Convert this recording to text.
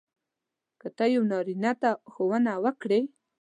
که ته یو نارینه ته ښوونه وکړې.